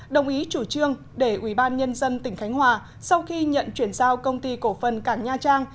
đồng ý chủ trương để ủy ban nhân dân tỉnh khánh hòa sau khi nhận chuyển giao công ty cổ phần cảng nha trang